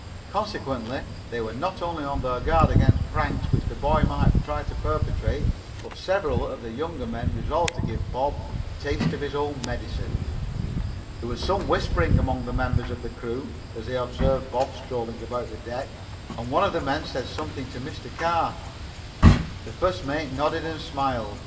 Consequently they were not only on their guard against any pranks which the boy might try to perpetrate, but several of the younger men resolved to give Bob a taste of his own medicine. There was some whispering among members of the crew as they observed Bob strolling about the deck, and one of the men said something to Mr. Carr. The first mate nodded and smiled.